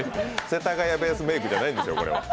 世田谷ベースメイクじゃないんですよ。